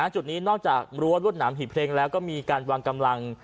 จุดนี้นอกจากรั้วรวดหนามหีบเพลงแล้วก็มีการวางกำลัง